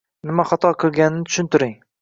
nima xato qilganini tushuntiring.